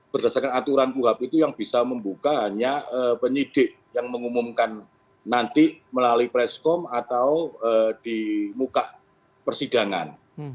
berdasarkan aturan kuhab itu yang bisa membuka hanya penyidik yang mengumumkan nanti melalui preskom atau di muka persidangan